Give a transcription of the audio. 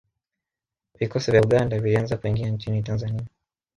Vikosi vya Uganda vilianza kuingia nchini Tanzania